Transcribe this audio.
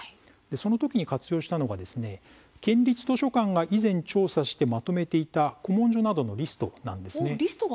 その時に活用したのが県立図書館が以前調査してまとめていた古文書などのリストなんです。